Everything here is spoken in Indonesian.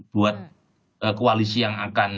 buat koalisi yang akan